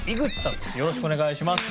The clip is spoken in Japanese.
よろしくお願いします。